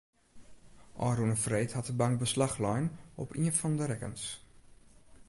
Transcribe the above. Ofrûne freed hat de bank beslach lein op ien fan de rekkens.